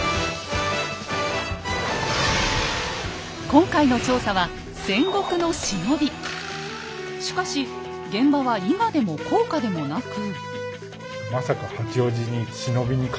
今回の調査はしかし現場は伊賀でも甲賀でもなく。